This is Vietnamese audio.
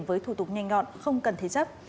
với thủ tục nhanh gọn không cần thế chấp